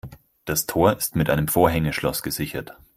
Das Tor ist mit einem Vorhängeschloss gesichert.